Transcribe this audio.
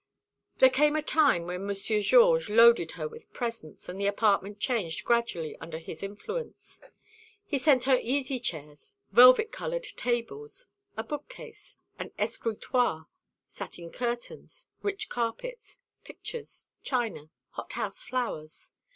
"There came a time when Monsieur Georges loaded her with presents, and the apartment changed gradually under his influence. He sent her easy chairs, velvet coloured tables, a bookcase, an escritoire, satin curtains, rich carpets, pictures, china, hothouse flowers.